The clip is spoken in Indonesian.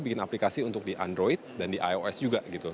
bikin aplikasi untuk di android dan di ios juga gitu